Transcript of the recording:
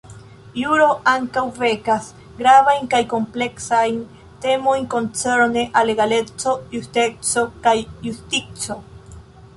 Juro ankaŭ vekas gravajn kaj kompleksajn temojn koncerne al egaleco, justeco, kaj justico.